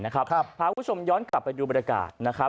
พาคุณผู้ชมย้อนกลับไปดูบริการ